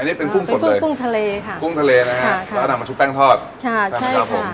อันนี้เป็นกุ้งสดเลยเป็นกุ้งทะเลค่ะกุ้งทะเลนะฮะค่ะแล้วก็ทำมาชุดแป้งทอดใช่ค่ะใช่ค่ะ